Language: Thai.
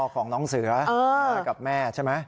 ของน้องเสือกับแม่ใช่ไหม